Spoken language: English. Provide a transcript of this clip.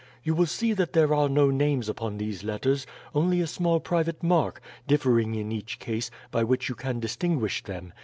You will see that there are no names upon these letters; only a small private mark, differing in each case, by which you can distinguish them.